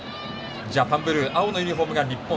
ジャパンブルー青のユニフォームが日本。